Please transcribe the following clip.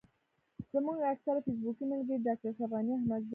زموږ اکثره فېسبوکي ملګري ډاکټر اشرف غني احمدزی.